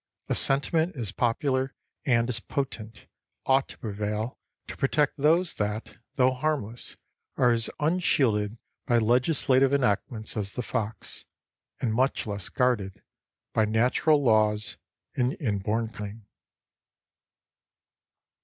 A sentiment as popular and as potent ought to prevail to protect those that, though harmless, are as unshielded by legislative enactments as the fox, and much less guarded by natural laws and inborn cunning.